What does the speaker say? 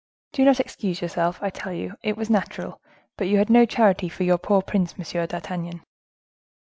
Do not excuse yourself, I tell you. It was natural, but you had no charity for your poor prince, Monsieur d'Artagnan."